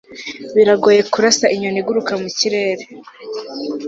biragoye kurasa inyoni iguruka mu kirere